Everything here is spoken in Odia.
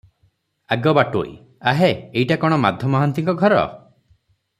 ଆଗ ବାଟୋଇ- ଆହେ! ଏଇଟା କଣ ମାଧ ମହାନ୍ତିଙ୍କ ଘର?